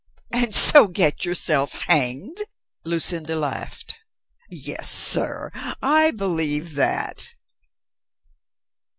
"And so get yourself hanged !" Lucinda laughed. "Yes, sir, I believe that."